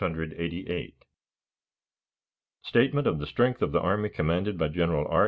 . 53,688 Statement of the Strength of the Army Commanded by General R.